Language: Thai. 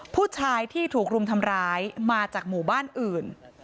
ผู้ชายที่ถูกรุมทำร้ายมาจากหมู่บ้านอื่น